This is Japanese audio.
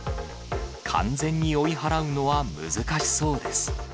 完全に追い払うのは難しそうです。